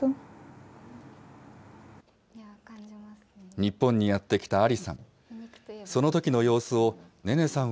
日本にやって来たアリさん。